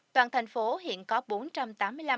toàn thành phố hiện có bốn trăm tám mươi năm hợp tác xã